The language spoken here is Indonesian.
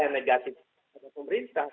negatif pada pemerintah